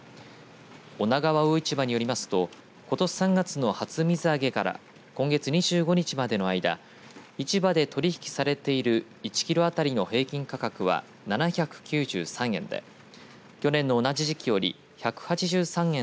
女川魚市場によりますとことし３月の初水揚げから今月２５日までの間市場で取り引きされている１キロ当たりの平均価格は７９３円で去年の同じ時期より１８３円